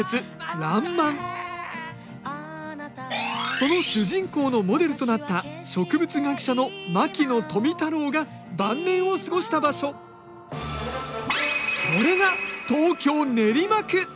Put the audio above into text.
その主人公のモデルとなった植物学者の牧野富太郎が晩年を過ごした場所それが東京・練馬区。